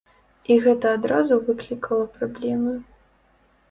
І гэта адразу выклікала праблемы.